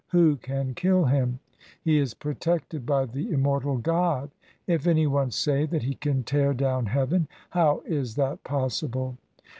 Who can kill him ? He is protected by the immortal God. If any one say that he can tear down heaven, how is that possible